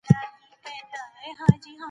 آیا پښتون په بهرنیو هېوادونو کي هم اوسي؟